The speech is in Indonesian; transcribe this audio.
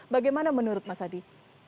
bagaimana menurut mas adi